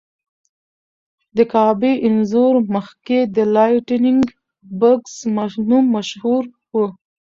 د کعبې انځور مخکې د لایټننګ بګز نوم مشهور و.